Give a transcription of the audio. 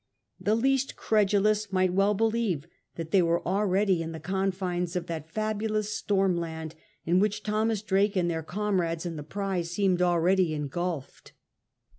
The least credulous might well believe that they were already in the confines of that fabulous storm land, in which Thomas Drake and their comrades in the prize seemed already engulfed.